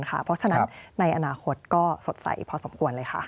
เพราะฉะนั้นในอนาคตก็สดใสพอสมควรเลยค่ะ